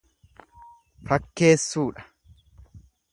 Fakkeessuudha.